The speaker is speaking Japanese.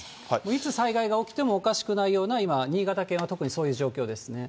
いつ、災害が起きてもおかしくないような今、新潟県は特にそういう状況